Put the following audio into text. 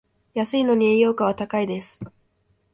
安いのに栄養価は高いです